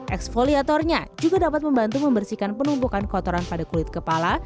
eksfoliatornya juga dapat membantu membersihkan penumpukan kotoran pada kulit kepala